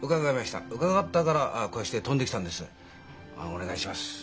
お願いします。